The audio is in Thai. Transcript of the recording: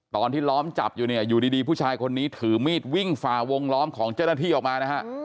ตอนที่ล้อมจับอยู่เนี่ยอยู่ดีผู้ชายคนนี้ถือมีดวิ่งฝ่าวงล้อมของเจ้าหน้าที่ออกมานะฮะ